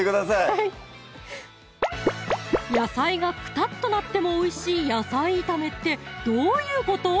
はい野菜がクタッとなってもおいしい野菜炒めってどういうこと？